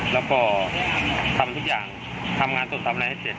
แล้วก็ทำทุกอย่างทำงานสดทำอะไรให้เสร็จ